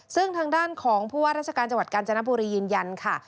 ซึ่งทางด้านของผู้ว่าราชการจังหวัดกาญจนบุรียืนยันค่ะ